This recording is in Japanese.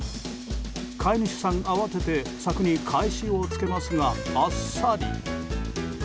飼い主さん慌てて柵に返しを付けますがあっさり。